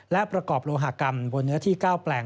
และประกอบโลหากรรมบนเนื้อที่๙แปลง